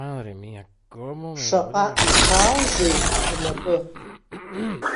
Шаҟа ихааузеи бнапы!